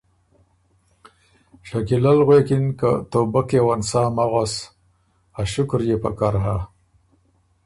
شکیلۀ ل غوېکِن که ”توبۀ کېون سا مک غؤس“ ا شکر يې پکر هۀ